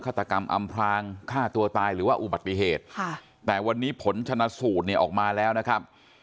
ตกรรมอำพลางฆ่าตัวตายหรือว่าอุบัติเหตุค่ะแต่วันนี้ผลชนะสูตรเนี่ยออกมาแล้วนะครับ